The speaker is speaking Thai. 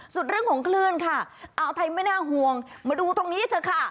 ส่วนเรื่องของคลื่นค่ะอ่าวไทยไม่น่าห่วงมาดูตรงนี้เถอะค่ะ